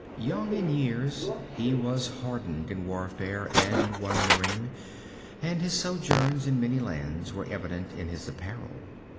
Young in years, he was hardened in warfare and wandering, and his sojourns in many lands were evident in his apparel.